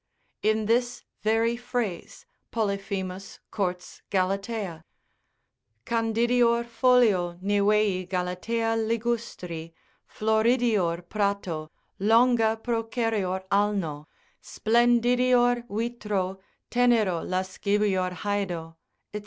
In this very phrase Polyphemus courts Galatea: Candidior folio nivei Galatea ligustri, Floridior prato, longa procerior alno, Splendidior vitro, tenero lascivior haedo, &c.